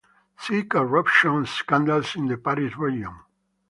See corruption scandals in the Paris region.